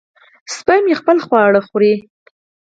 سپی مې خپل خواړه خوري.